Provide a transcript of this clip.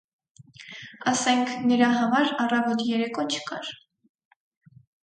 Ասենք, նրա համար առավոտ-երեկո չկար.